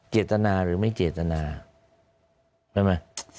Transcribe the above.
เจตนาหรือไม่เจตนาใช่ไหม